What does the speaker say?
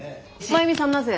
真弓さんなぜ？